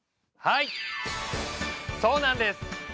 はいそうなんです。